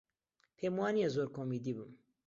پێم وا نییە زۆر کۆمیدی بم.